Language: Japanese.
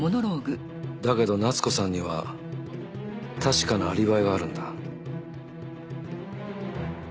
だけど夏子さんには確かなアリバイがあるんだ